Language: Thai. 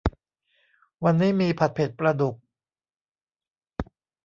วันนี้มีผัดเผ็ดปลาดุก